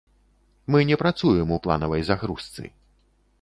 Мы не працуем у планавай загрузцы.